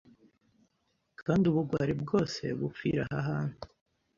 Kandi ubugwari bwose bupfira aha hantu